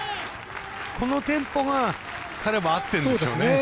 このテンポが彼は合ってるんでしょうね。